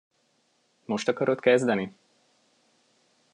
Most akarod kezdeni?